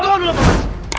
aku nya sudah selesai beloved